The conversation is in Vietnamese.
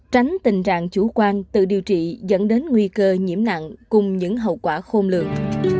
tránh tình trạng chủ quan tự điều trị dẫn đến nguy cơ nhiễm nặng cùng những hậu quả khôn lượng